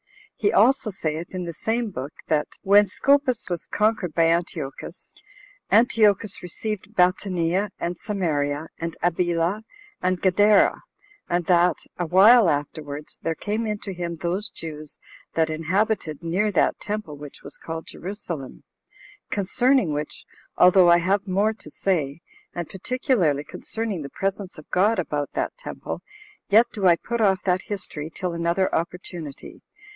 He also saith, in the same book, that "when Seopas was conquered by Antiochus, Antiochus received Batanea, and Samaria, and Abila, and Gadara; and that, a while afterwards, there came in to him those Jews that inhabited near that temple which was called Jerusalem; concerning which, although I have more to say, and particularly concerning the presence of God about that temple, yet do I put off that history till another opportunity."